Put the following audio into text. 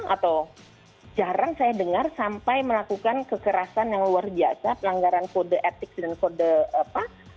atau jarang saya dengar sampai melakukan kekerasan yang luar biasa pelanggaran kode etik dan kode apa